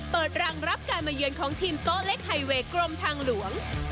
เปิดรังรับการมาเยือนของทีมโต๊ะเล็กไฮเวย์กรมทางหลวง